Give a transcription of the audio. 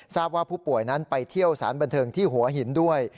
ว่าผู้ป่วยนั้นไปเที่ยวสารบันเทิงที่หัวหินด้วย